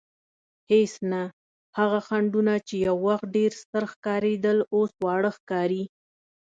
هېڅ نه، هغه خنډونه چې یو وخت ډېر ستر ښکارېدل اوس واړه ښکاري.